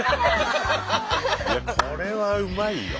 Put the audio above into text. これはうまいよ。